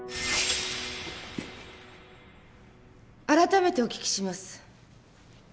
改めてお聞きします。